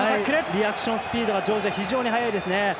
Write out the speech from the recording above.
リアクションスピードがジョージア非常に早いですね。